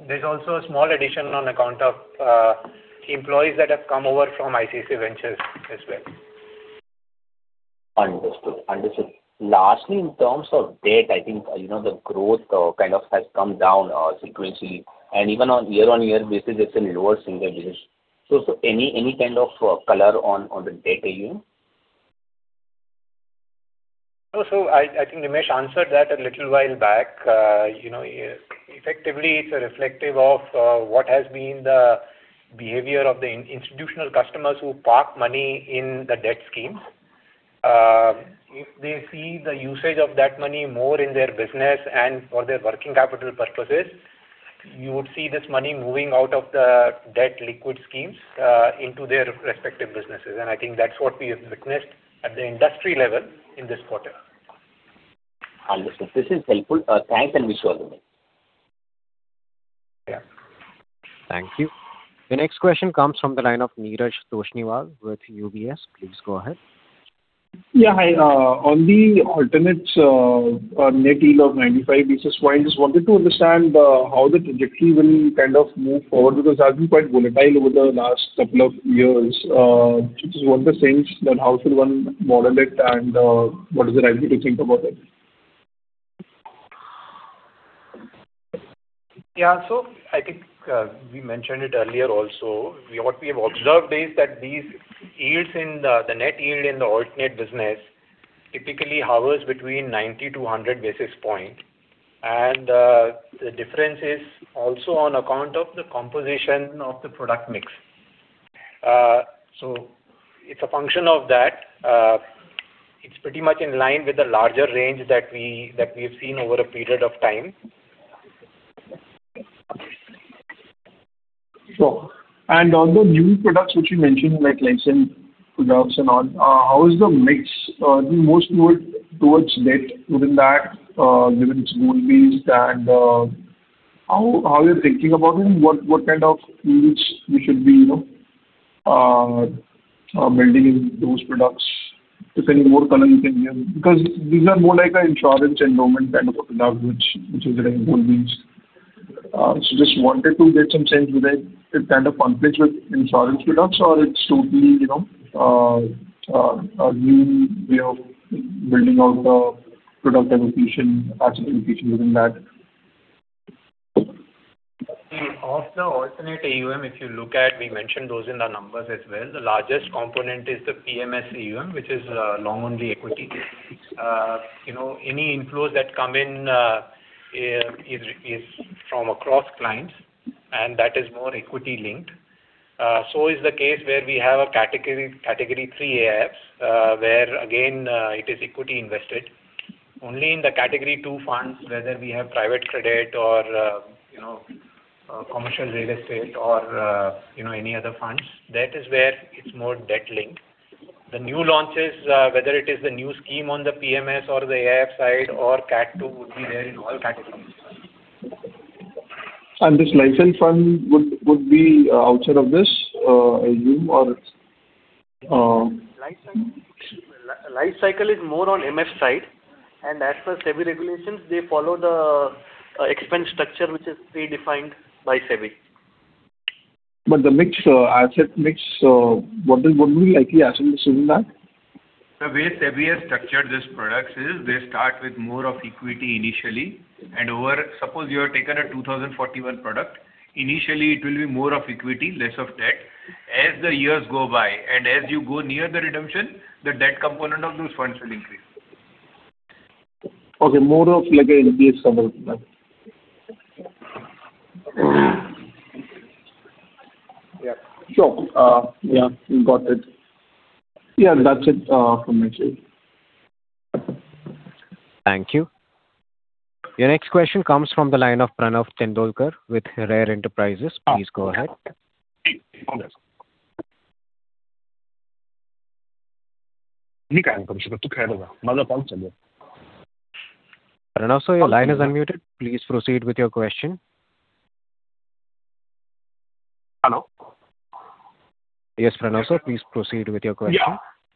There's also a small addition on account of employees that have come over from ICICI Ventures as well. Understood. Lastly, in terms of debt, I think, the growth kind of has come down sequentially, and even on year-on-year basis, it's in lower single digits. Any kind of color on the debt AUM? I think Nimesh answered that a little while back. Effectively, it's a reflective of what has been the behavior of the institutional customers who park money in the debt scheme. If they see the usage of that money more in their business and for their working capital purposes, you would see this money moving out of the debt liquid schemes into their respective businesses. I think that's what we have witnessed at the industry level in this quarter. Understood. This is helpful. Thanks, wish you all the best. Yeah. Thank you. The next question comes from the line of Neeraj Toshniwal with UBS. Please go ahead. Hi. On the alternates net yield of 95 basis points, just wanted to understand how the trajectory will kind of move forward because it has been quite volatile over the last couple of years. Just want the sense that how should one model it and what is the right way to think about it? I think we mentioned it earlier also. What we have observed is that these yields and the net yield in the alternate business typically hovers between 90 to 100 basis points, and the difference is also on account of the composition of the product mix. It's a function of that. It's pretty much in line with the larger range that we've seen over a period of time. Sure. On the new products which you mentioned, like life cycle products and all, how is the mix? Do you mostly look towards debt within that given it's goal-based, and how you're thinking about it and what kind of yields we should be building in those products? If any more color you can give. These are more like insurance endowment kind of products, which is very goal-based. Just wanted to get some sense. Do they kind of conflict with insurance products or it's totally a new way of building out the product allocation, asset allocation within that? Of the alternate AUM, if you look at, we mentioned those in the numbers as well. The largest component is the PMS AUM, which is long only equity. Any inflows that come in is from across clients, and that is more equity-linked. This is the case where we have Category III AIFs where again, it is equity invested. Only in the Category II funds, whether we have private credit or commercial real estate or any other funds. That is where it's more debt linked. The new launches, whether it is the new scheme on the PMS or the AIF side or Category II would be there in all categories. This life cycle fund would be outside of this AUM or? Life cycle is more on MF side, and as per SEBI regulations, they follow the expense structure, which is predefined by SEBI. The asset mix, what would be likely assumption within that? The way SEBI has structured these products is they start with more of equity initially, and over Suppose you have taken a 2041 product, initially it will be more of equity, less of debt. As the years go by and as you go near the redemption, the debt component of those funds will increase. Okay. More of like a NPS approach then. Yeah. Sure. Yeah, got it. Yeah, that's it from my side. Thank you. Your next question comes from the line of Pranav Tendolkar with Rare Enterprises. Please go ahead. Pranav, your line is unmuted. Please proceed with your question. Hello? Yes, Pranav. Please proceed with your question.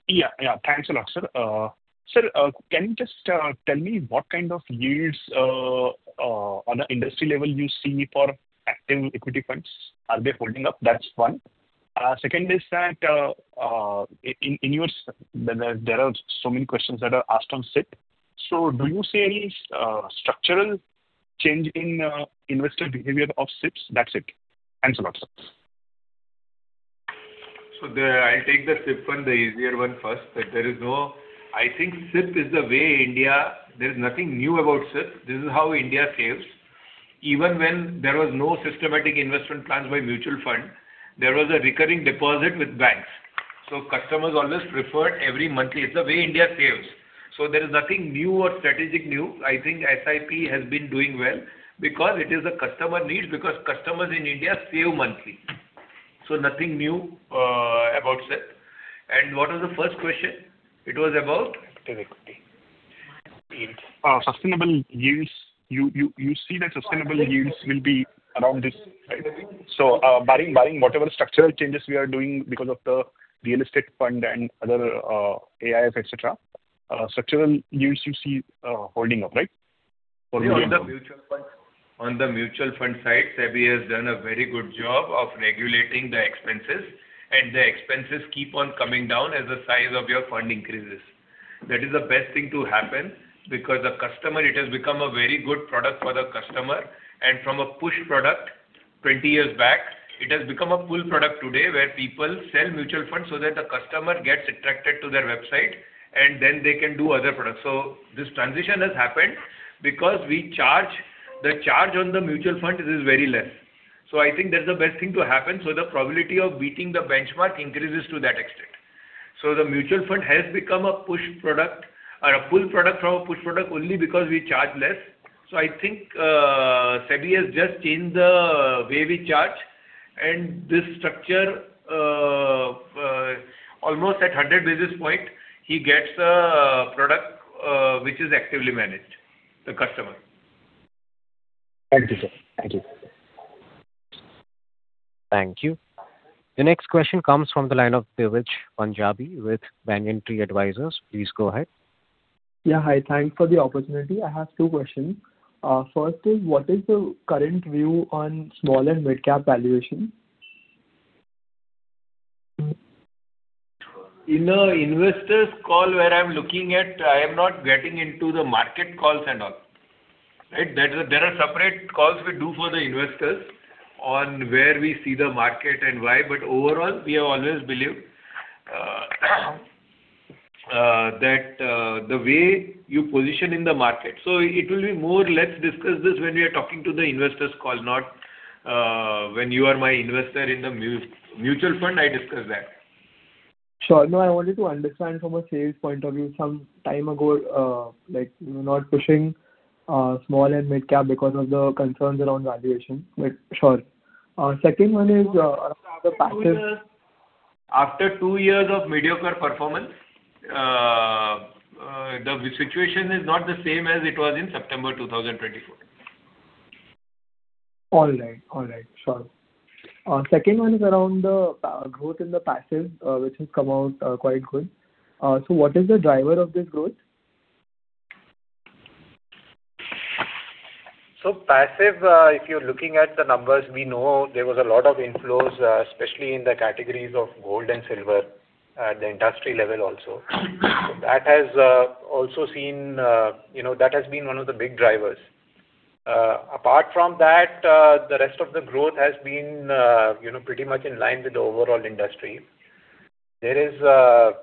Yeah. Thanks a lot, sir. Sir, can you just tell me what kind of yields on an industry level you see for active equity funds? Are they holding up? That's one. Second is that there are so many questions that are asked on SIP. Do you see any structural change in investor behavior of SIPs? That's it. Thanks a lot, sir. I'll take the SIP one, the easier one first. I think SIP is the way India. There's nothing new about SIP. This is how India saves. Even when there was no systematic investment plans by mutual fund, there was a recurring deposit with banks. Customers always preferred every monthly. It's the way India saves. There is nothing new or strategic new. I think SIP has been doing well because it is a customer need, because customers in India save monthly. Nothing new about SIP. What was the first question? It was about? Active equity. Yields. Sustainable yields. You see that sustainable yields will be around this, right? Barring whatever structural changes we are doing because of the real estate fund and other AIFs, et cetera, structural yields you see holding up, right? On the mutual fund side, SEBI has done a very good job of regulating the expenses, the expenses keep on coming down as the size of your fund increases. That is the best thing to happen because it has become a very good product for the customer, from a push product 20 years back, it has become a pull product today where people sell mutual funds that the customer gets attracted to their website and then they can do other products. This transition has happened because the charge on the mutual fund is very less. I think that's the best thing to happen. The probability of beating the benchmark increases to that extent. The mutual fund has become a pull product from a push product only because we charge less. I think SEBI has just changed the way we charge, this structure, almost at 100 basis points, he gets a product which is actively managed, the customer. Thank you, sir. Thank you. The next question comes from the line of Divij Punjabi with Banyan Tree Advisors. Please go ahead. Yeah. Hi. Thanks for the opportunity. I have two questions. First is, what is the current view on small and mid-cap valuation? In an investor's call where I'm looking at, I am not getting into the market calls and all, right? There are separate calls we do for the investors on where we see the market and why. Overall, we have always believed that the way you position in the market. Let's discuss this when we are talking to the investors call, not when you are my investor in the mutual fund, I discuss that. Sure. I wanted to understand from a sales point of view some time ago, like you're not pushing small and mid-cap because of the concerns around valuation. Sure. Second one is around the passive After two years of mediocre performance, the situation is not the same as it was in September 2024. All right. Sure. Second one is around the growth in the passive, which has come out quite good. What is the driver of this growth? Passive, if you're looking at the numbers, we know there was a lot of inflows, especially in the categories of gold and silver at the industry level also. That has been one of the big drivers. Apart from that, the rest of the growth has been pretty much in line with the overall industry. Passive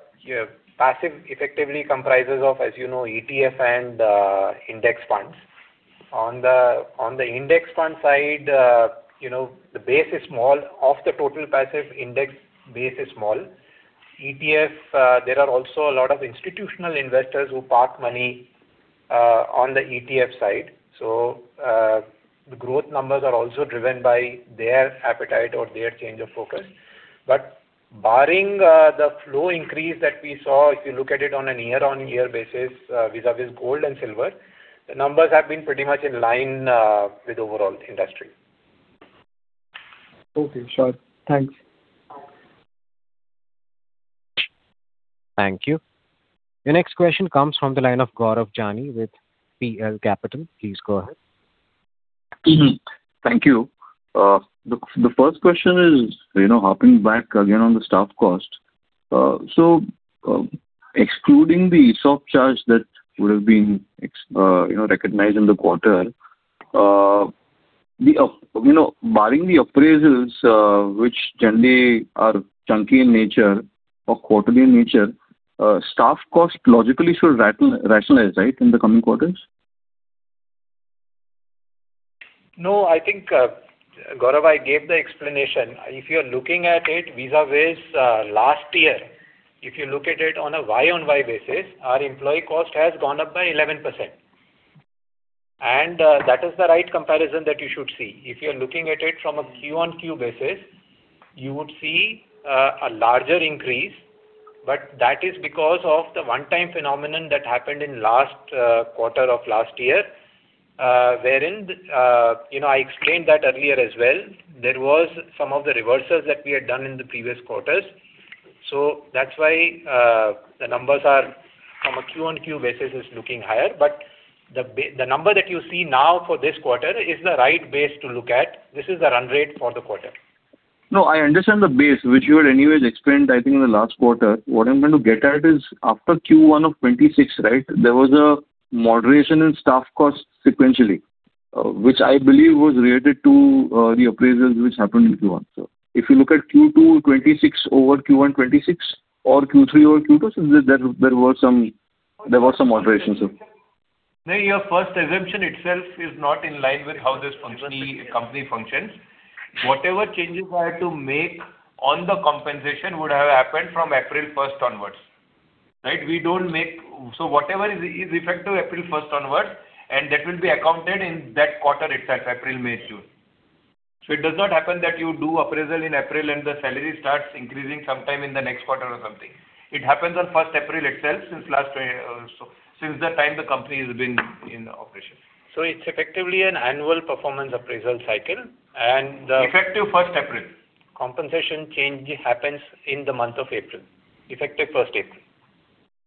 effectively comprises of, as you know, ETF and index funds. On the index fund side, of the total passive index base is small. ETF, there are also a lot of institutional investors who park money on the ETF side. The growth numbers are also driven by their appetite or their change of focus. Barring the flow increase that we saw, if you look at it on an year-on-year basis vis-à-vis gold and silver, the numbers have been pretty much in line with overall industry. Okay, sure. Thanks. Thank you. The next question comes from the line of Gaurav Jani with PL Capital. Please go ahead. Thank you. The first question is, hopping back again on the staff cost. Excluding the ESOP charge that would have been recognized in the quarter, barring the appraisals which generally are chunky in nature or quarterly in nature, staff cost logically should rationalize, right, in the coming quarters? I think, Gaurav, I gave the explanation. If you are looking at it vis-à-vis last year, if you look at it on a year-over-year basis, our employee cost has gone up by 11%. That is the right comparison that you should see. If you are looking at it from a quarter-over-quarter basis, you would see a larger increase, but that is because of the one-time phenomenon that happened in last quarter of last year. I explained that earlier as well. There was some of the reversals that we had done in the previous quarters. That is why the numbers are quarter-over-quarter basis is looking higher, but the number that you see now for this quarter is the right base to look at. This is the run rate for the quarter. I understand the base, which you had anyway explained, I think in the last quarter. What I am going to get at is after Q1 of 2026, right? There was a moderation in staff costs sequentially, which I believe was related to the appraisals which happened in Q1, sir. If you look at Q2 2026 over Q1 2026 or Q3 over Q2, there was some moderation, sir. Your first assumption itself is not in line with how this company functions. Whatever changes were to make on the compensation would have happened from April 1st onwards. Right? Whatever is effective April 1st onwards, that will be accounted in that quarter itself, April, May, June. It does not happen that you do appraisal in April and the salary starts increasing sometime in the next quarter or something. It happens on 1st April itself since the time the company has been in operation. It is effectively an annual performance appraisal cycle. Effective 1st April. Compensation change happens in the month of April. Effective 1st April.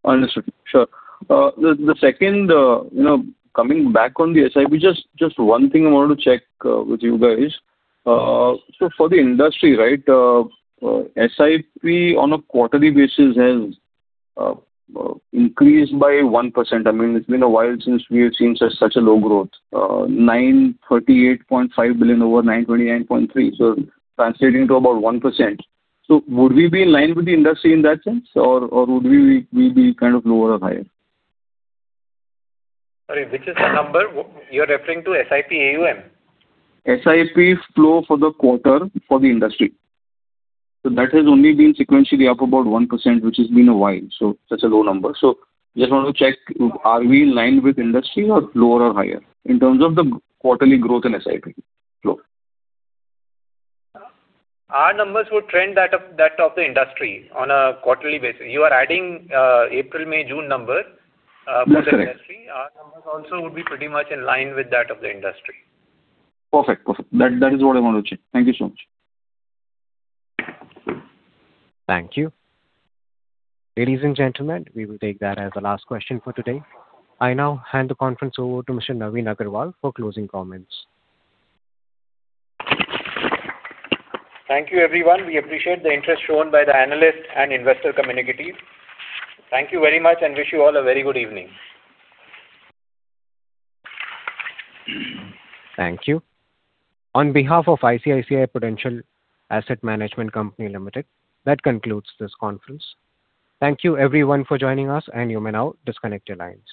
Understood. Sure. Coming back on the SIP, just one thing I wanted to check with you guys. For the industry, SIP on a quarterly basis has increased by 1%. It's been a while since we have seen such a low growth. 938.5 billion over 929.3, translating to about 1%. Would we be in line with the industry in that sense or would we be kind of lower or higher? Sorry, which is the number? You're referring to SIP AUM? SIP flow for the quarter for the industry. That has only been sequentially up about 1%, which has been a while, such a low number. Just wanted to check, are we in line with industry or lower or higher in terms of the quarterly growth in SIP flow? Our numbers would trend that of the industry on a quarterly basis. You are adding April, May, June number for the industry. Our numbers also would be pretty much in line with that of the industry. Perfect. That is what I wanted to check. Thank you so much. Thank you. Ladies and gentlemen, we will take that as the last question for today. I now hand the conference over to Mr. Naveen Agarwal for closing comments. Thank you everyone. We appreciate the interest shown by the analyst and investor community. Thank you very much and wish you all a very good evening. Thank you. On behalf of ICICI Prudential Asset Management Company Limited, that concludes this conference. Thank you everyone for joining us, and you may now disconnect your lines.